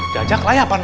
jajak layapan lagi